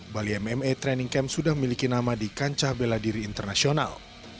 bali mma training camp sudah memiliki nama di kancah bela diri internasional